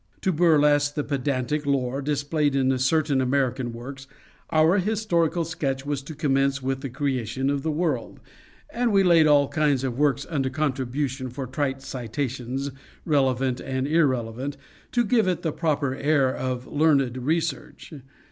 To burlesque the pedantic lore displayed in certain American works, our historical sketch was to commence with the creation of the world; and we laid all kinds of works under contribution for trite citations, relevant or irrelevant, to give it the proper air of learned research.